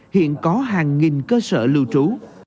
hiện có hàng nghìn cơ sở lưu trú